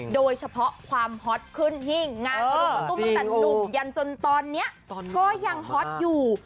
โดยเฉพาะความฮอตขึ้นหิ้งงานสรุปมาตุ้มตั้งแต่หนุ่มยันจนตอนนี้ก็ยังฮอตอยู่